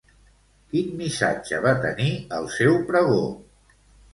Quin missatge va tenir el seu pregó?